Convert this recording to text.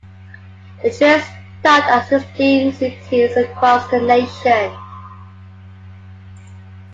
The train stopped at sixteen cities across the nation.